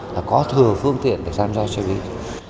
là có thừa phương tiện để tham gia xoay bít